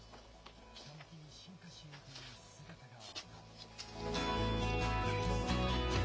ひたむきに進化しようという姿があった。